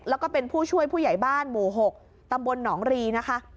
แล้วก็เป็นผู้ช่วยผู้ใหญ่บ้านหมู่๖ตำบลหนองรีนะคะ